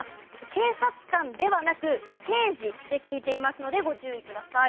警察官ではなく刑事で聞いていますのでご注意ください。